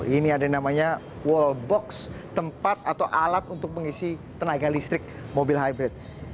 ini ada namanya wall box tempat atau alat untuk mengisi tenaga listrik mobil hybrid